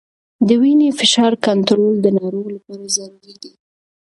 د وینې فشار کنټرول د ناروغ لپاره ضروري دی.